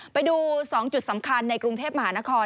ไปดู๒จุดสำคัญในกรุงเทพมหานคร